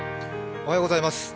おはようございます。